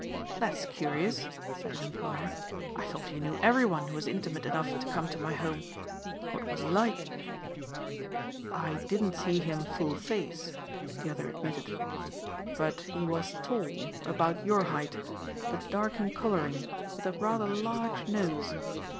"That's curious," said his employer. "I thought you knew every one who was intimate enough to come to my home. What was he like?" "I didn't see him full face," the other admitted, "but he was tall, about your height, but dark in coloring with a rather large nose.